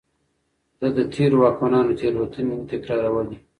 ده د تېرو واکمنانو تېروتنې نه تکرارولې.